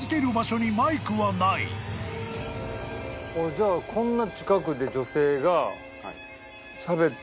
じゃあこんな。